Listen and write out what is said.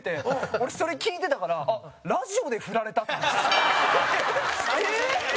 俺、それ聞いてたからラジオでフラれたと思って。